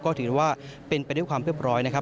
ก็ถือว่าเป็นไปด้วยความเรียบร้อยนะครับ